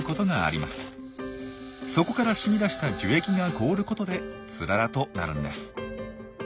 そこから染み出した樹液が凍ることでツララとなるんです。